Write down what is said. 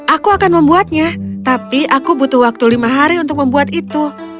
aku akan membuatnya tapi aku butuh waktu lima hari untuk membuat itu